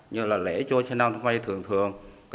như là lễ chô trần năm thơ mây thường thường